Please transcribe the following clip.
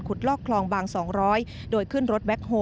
ลอกคลองบาง๒๐๐โดยขึ้นรถแบ็คโฮล